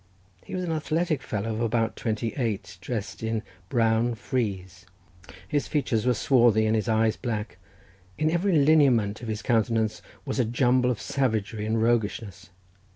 He was an athletic fellow of about twenty eight, dressed in brown frieze. His features were swarthy, and his eyes black; in every lineament of his countenance was a jumble of savagery and roguishness.